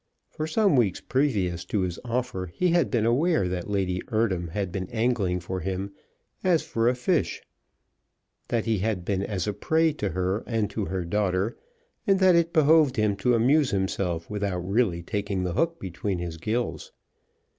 For some weeks previous to his offer he had been aware that Lady Eardham had been angling for him as for a fish, that he had been as a prey to her and to her daughter, and that it behoved him to amuse himself without really taking the hook between his gills.